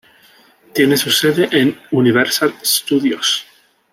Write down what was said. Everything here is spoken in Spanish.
Tiene su sede en Universal Studios.